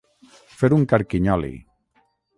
Fer un carquinyoli.